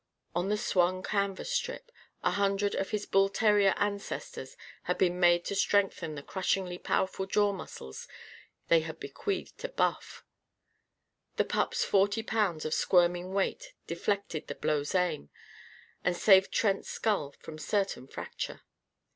On the swung canvas strip, a hundred of his bull terrier ancestors had been made to strengthen the crushingly powerful jaw muscles they had bequeathed to Buff. The pup's forty pounds of squirming weight deflected the blow's aim, and saved Trent's skull from certain fracture.